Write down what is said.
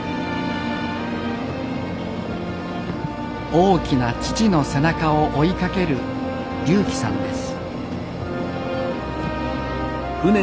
大きな父の背中を追いかける龍希さんです。